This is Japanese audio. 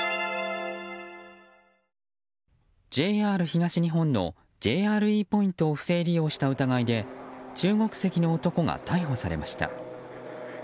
ＪＲ東日本のＪＲＥポイントを不正利用した疑いで中国籍の男が逮捕されました。